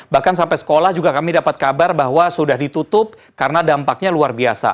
bahkan sampai sekolah juga kami dapat kabar bahwa sudah ditutup karena dampaknya luar biasa